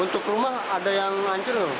untuk rumah ada yang lanjut